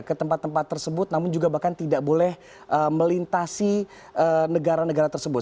ke tempat tempat tersebut namun juga bahkan tidak boleh melintasi negara negara tersebut